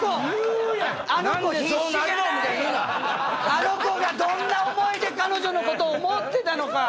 あの子がどんな思いで彼女のことを思ってたのか！